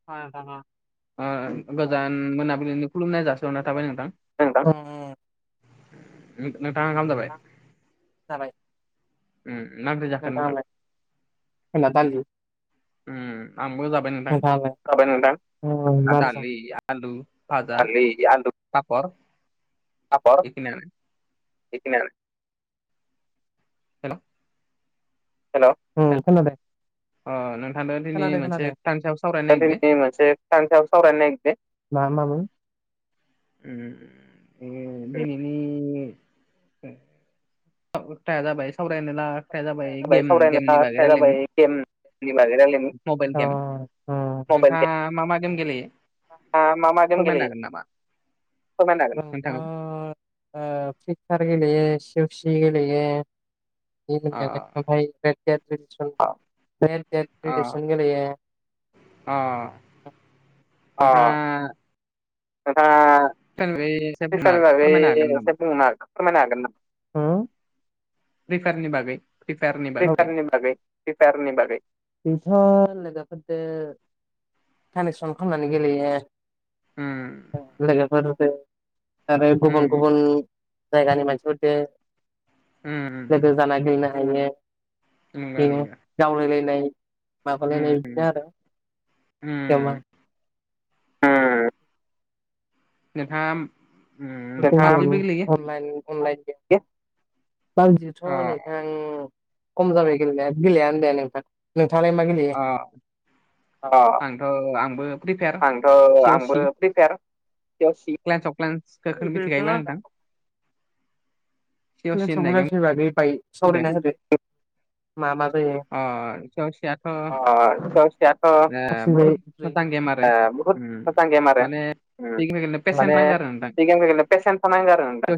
[unintelligible] ओ-गोजान मोनाबिलिनि खुलुमनाय जासिहरनाय थाबाय नोंथां। [unintelligible] नों-नोंथाङा ओंखाम जाबाय उम। मा ओंख्रि जाखो नोंथां? जोंना दालि। उम आंबो जाबाय नोंथांओ-दालि आलु भाजा। पापर बेखिनियानो। बेखिनियानो हेल' हेल' औ खोनादों। अ नोंथांदों दिनै मोनसे खोथानि सायाव सावरायनो नागिरदो। मोनसे सानि सायाव सावरायनो नागिरदो। मा [unintelligible] उम दिनैनि [unintelligible] जाबाय सावरायनो लाग- [unintelligible] जाबाय सावरायनो दा बाथ्राया जाबाय गेम नि बागै रायलायनि अ अ मबाइल गेम। [unintelligible] मामा गम गेलेयो? फोरमायनो हागोनना? [unintelligible] ओ फ्रि फायार गेलेयो सेवसि गेलेयो। [unintelligible] गेलेयो। अ नोंथाङा नोंथाङा [unintelligible] फ्रिफारनि बागै एसे बुंनो हागोन फोरमायनो हागोन नामा? हो? फ्रिफारनि बागै। फ्रिफायारनि बागै। जोंथ' लोगोफोरदो कानेकसन खालामनानै गेलेयो। उम लोगोफोरदो आरो गुबुन गुबुन जायगानि मानसिफोरदो। उम जाना गेलेनो हायो। बिनो गावलायलायनाय माबालायनाय बिदिनो आरो जमा ए नोंथांडा अनलाइन गैबिथ' नोंथां खम जाबाय गेलेनाया गेलेनो दे नोंथ नोंथांङालाय मा गेले अ आंथ' आंबो प्रिपेयार सि क्लन्स अफ्लन्सखौ मिथिखायोबा नोंथां। समस स मा मा जायो जसे आ ज बहुत फस गेम आरो- माने सिगांनो पेसेन्स नांगार आरो नोंथां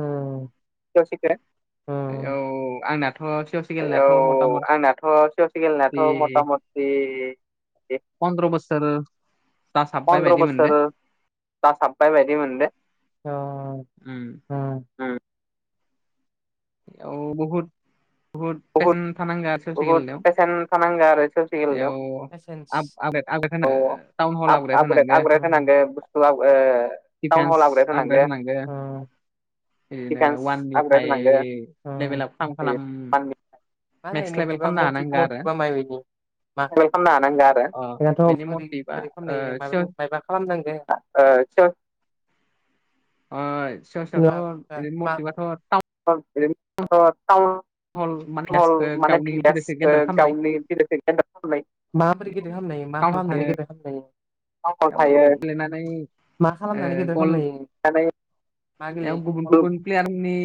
ह ज'सिगोन औ आंनाथ' सि सि गेलनाथ' मथ मत बे पन्द्र बसोर पन्द्र बोसोर जासाबनाय बायदि मोनदों उम [unintelligible] औ बहुत बुहुद पेसेन् थानांगौ ससेकेलयाव बेयाव आ आब टाउन हल आबदा होनांगोन आं न चिकन्स आपग्रेड होनांगौ मा जाय म म मा माइ ब मा खालामनो हानांगा आरो बेथ' बोरै बोरै खालामनो माबा खालामनांगो ओ सोर सिगाव सिवथ' रनो मटिबाथ' ह माने पस गावनि बिलनाय माबोरै गेदेर खालामनो मा खालामनानै गेदेर खालामनायायो खल थायो मा खालामनानै गेदेरखालामनो हायो? ए गुबुन गुबुन प्लेयारनि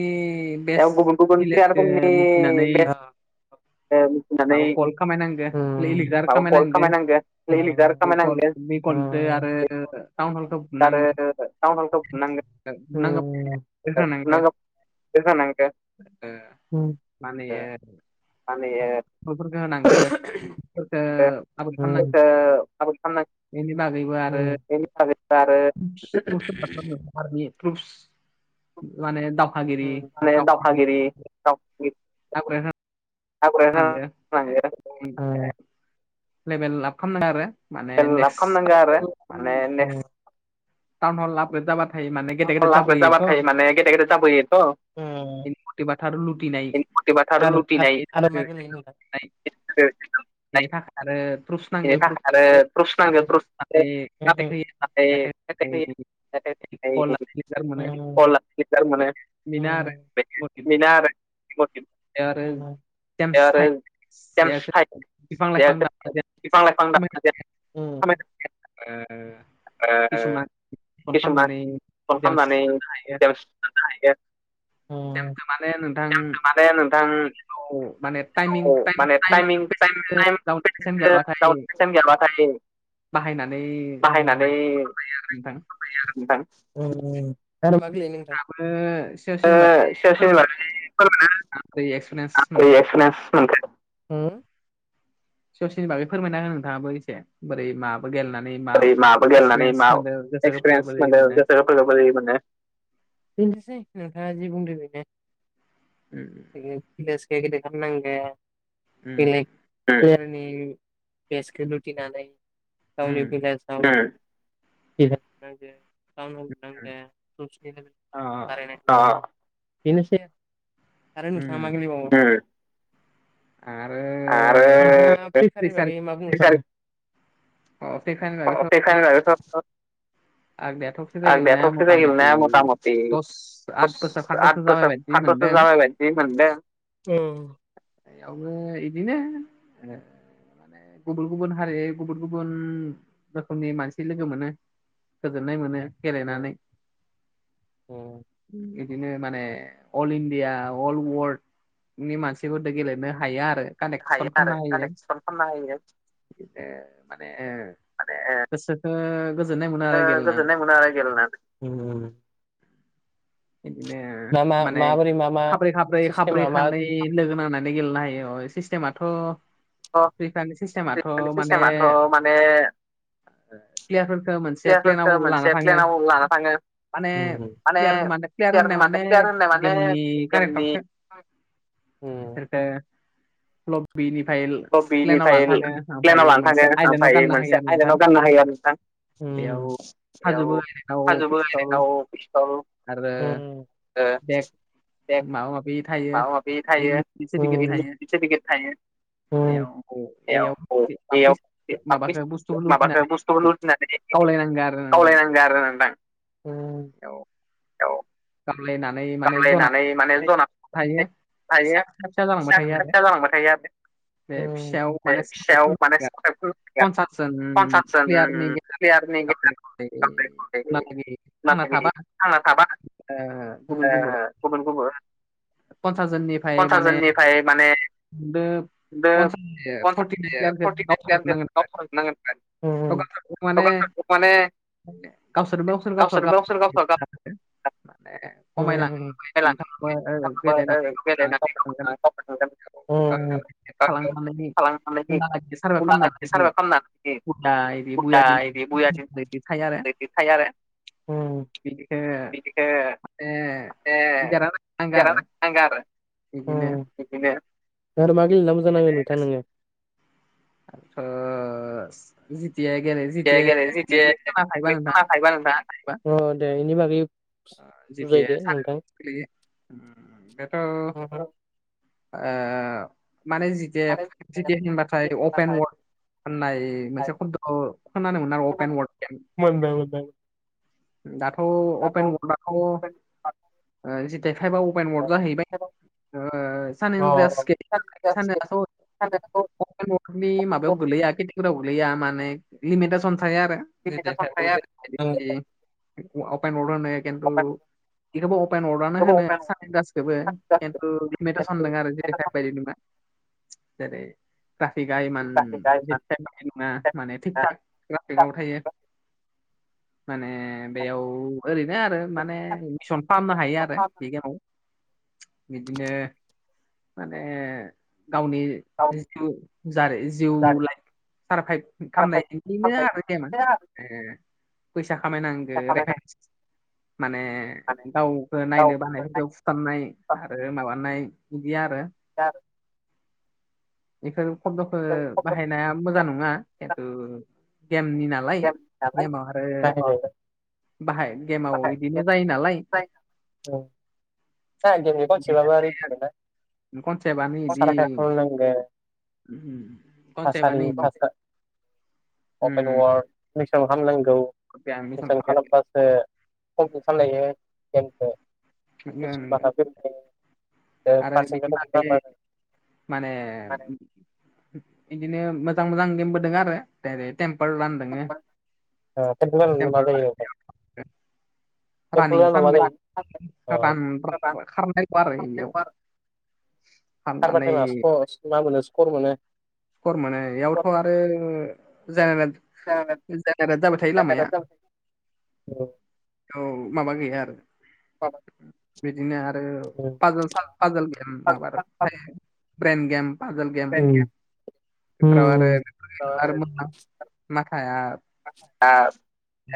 ए गुबुन गुबुन रोखोमनि बेस् माबा कल खामायनांगो लिलिगार खामायनांगो बे ग जै आरो टाउन हलखौ बुनांगौ न न गो ज नग बेफोरखौ होनांगोनफोरखौ आबाद खालामनांग बेनि बागैबो आरो [unintelligible] मान दावहागिरि [unintelligible] [unintelligible] लेभेल लाब खालामदों आरो खम आब खालाम नांगोन आरो माने नेकस्ट [unintelligible] [unintelligible] [unintelligible] बेनि थाखाय आरो प्रुपस नांगोन होयो [unintelligible] उम कल [unintelligible] मोनो उम [unintelligible] बेनो आरो [unintelligible] उम बाय आरो [unintelligible] बिफां लाइफां दा आरो किसुमान फन खामनानै जेमस लानो हायो। लानो हायो। उम [unintelligible] नोंथां [unintelligible] माने टायमिं टायम टायम ओमफाय [unintelligible] बाहायनानै [unintelligible] नोंथां उम आनाव मा गेलेयो नोंथां। ओ सोर सोरनि बागै फोरमायना [unintelligible] [unintelligible] उम ससेनि बागै फोरमायना हो नोंथाङाबो एसे बोरै मा बो गेलेनानै मा एक्सपिरियेन्स मोनो गोसोफोरखो बोरै मोनो गोलाव गारि मोनो। बेनोसै नोंथाङा जि बुंदों बेनो उम उम उम फेलेस [unintelligible] नांगोन देगलाय देननि बेसखो लुथिनानै गावनि [unintelligible] [unintelligible] अ' अ' बेनोसै आरो नोंथाङा मा गेलेबावो? उम आरो [unintelligible] अ' बेखायनो अ' बेखायनो सद सद आंनियाथ [unintelligible] मथा मथि [unintelligible] खान्द बोसोर जाबाय बायदि मोनदों। उम एयावबो इदिनोे ओ ने गुबुन गुबुन हारि गुबुन गुबुन रोखोमनि मानसि लोगो मोनो। गोजोननाय मोनो गेलेनानै इदिनो माने अल इण्डिया अल अवरड नि मानसिफोरदो गेलेनो हायो आरो कानेकसन खालामना हायो। ए माने ओ गोसोखो गोजोननाय मोनो आरो ओ गोजोननाय मोनो आरो गेलेनानै उम इदिनो माने खाब्रै खाब्रै खाब्रै खानै नि लोगो नांनानै गेलेनो हायो अ' सिस्टेमाथ' फैसानि सिस्टेमाथ' माने आ प्लेयारखो मोनसे प्लेनाव लाना थाङो। मान प्लेयार माने प्लेयार फोर होननाय माने गेमनि केरेक्टारखो [unintelligible] ए फलब बिनिफाय प्लेनाव लानो थाङो ओमफाय मोनसे आइलेण्नाव गाननो हायो आरो नोंथां। बेयाव हाजोबो [unintelligible] आरो बेग माबा माबि माबा माबि थायो उम फिसेदिगिट थायो। उम बेयाव औ बेयाव [unintelligible] बुस्थु [unintelligible] जोंनानै [unintelligible] गावलायनांगो आरो नोंथां। उम औ सामलायनानै माने जना [unintelligible] हायो फिसा खा [unintelligible] जालांबाय थायो आरो। उम बे फिसायाव माने [unintelligible] गैया। फनसासजोन प्लेयारनि गेजेर म थांना थाबा। ओ। ओ गुबुन-गुबुन पन्सास जोननिफ्राय माने। दोब। दोब पनसास ओ फरतिफाइब नांगोन ओम। माने। गावसोरनोबो गावसोरनो गावस। माने खमायलाङोब नोंथां गेलेनानै थ' गाव थांगोन। थालांगोन। ला सार खालामना ओम। थायो आरो। बिखो माने देरहाहोनांगो आरो। नांगो आरो। बिदिनो। बिदिनो आरो मा-मा गेलेना मोजां नाङो नोथाङा नोङो। ओ दिआइ गेले दिआइ गेलेनोसै दिआइ बे खोनाखायोबा नोंथाङा? अ दे बेनि बागै। ओ जिदिआ साननैस बेथ'। ओ माने जिदि फाइभ जि होनबाथाय अपेन वारड। होननाय मोनसे खबद' खोनानो मोनो आरो अपेन वारद गेम। मोनबायबालाय। दाथ' अपेन वारदाथ' ओ जिथाइ फाइभआव। अपेन वारदा जाहैबाय ओ साननदि दासके साननेआथ'। सानदेआथ'। वडनि माबायाव गोलैया केतेगरियाव गोलैया माने लिमिदेसन थायो आरो। अपेन अवारद होनो किन्तु। बेखौबो अपेन अर्डानो होनो सानिताइसखोबो केन्तु लेमिदेसन नङा आरो जेनेबा। बेबादि नङा जेरै ट्राफिकआ इमान जानाय नङा। माने थिक ताक राफिकाव थायो माने। बेयाव ओरैनो आरो माने मिसन फाहामनो हायो आरो बिगेमाव। बिखो माने गावनि। उ जारै जिउ लाइ सारभाइभ खालामनायनिनो आरो गेमा। ओ फैसा खामायनांगो रेफाइन्स माने। गावखौ नायनो बानायफोरखौ फुथारनाय आरो माबानाय बिदि आरो। जार। बेफोर खबद'खो बाहायनाया मोजां नङा किन्तु गेमनि नालाय। लाय गेमाव आरो। बाहाय गेमाव इदिनो जायो नालाय। कनसेबानो इदि। नंगो। ओम कनसेबानो इदि। अपेन वारद कुइसन खालामनांगौ कुइसन खालामबासो। कमप्लिट खालायो गेमखो। नंगो। आरो बिदि माखासे माने। बिदिनो मोजां-मोजां गेमबो दोङो आरो जेरै- टेमपोल रान दोङो टेमपोल रान। [inaudible] खारबाथाय मा स्क' मा मोनो स्क'र मोनो। स्क'र मोनो बेयावथ' आरो जेनेरेट-जेनेरेट जाबाय थायो लामाया। औ। औ माबा गैया आरो। [inaudible] बिदिनो आरो पाजोल स पाजल गेम माबार फायो प्रेन गेम। पाजोल गेम। बेफोराव आरो आरो मोन माखाया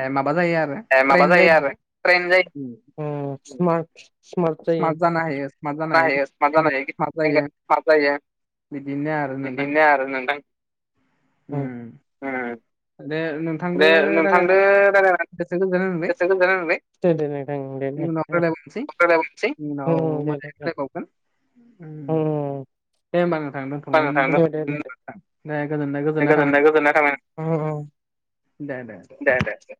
ए माबा जायो आरो ए माबा जायो आरो ट्रेन जायो। उम। [unintelligible] [unintelligible] बिदिनो आरो नोंथां उम ओ। दे नोंथांदो रायलायनानै गोसो गोजोननाय मोनबाय इउनाव रायलायबावनिसै इउनाव दे होमबा नोंथां दोनथ'लायनो दोनथ' [unintelligible] [unintelligible] दे दे दे। दे दे दे।